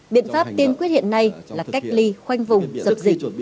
biện pháp tiên quyết hiện nay là cách ly khoanh vùng dập dịch